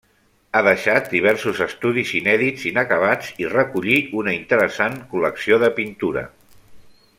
Ha deixat diversos estudis inèdits inacabats, i recollí una interessant col·lecció de pintura.